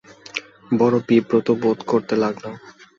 বড় বিব্রত বোধ করতে লাগলাম!